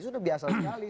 sudah biasa sekali